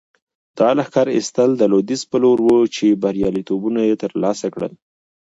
دا لښکر ایستل د لویدیځ په لور وو چې بریالیتوبونه یې ترلاسه کړل.